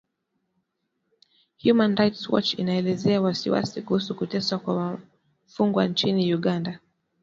Human Rights Watch inaelezea wasiwasi kuhusu kuteswa kwa wafungwa nchini Uganda